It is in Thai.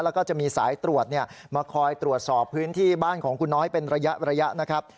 แล้วก็จะมีสายตรวจมาคอยตรวจสอบพื้นที่บ้านของคุณน้อยเป็นระยะนะครับ